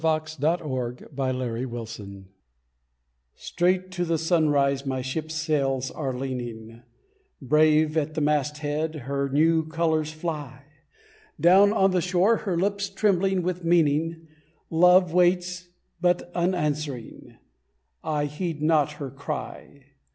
The Coming of My Ship Straight to the sunrise my ship's sails are leaning, Brave at the masthead her new colours fly; Down on the shore, her lips trembling with meaning, Love waits, but unanswering, I heed not her cry.